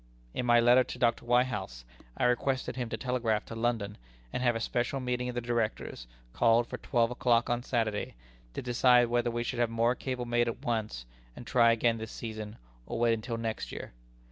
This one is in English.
"In my letter to Dr. Whitehouse I requested him to telegraph to London, and have a special meeting of the Directors called for twelve o'clock on Saturday, to decide whether we should have more cable made at once, and try again this season, or wait until next year.